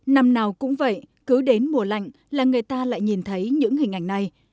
năm nào cũng vậy cứ đến mùa lạnh là người ta lại nhìn thấy những hình ảnh này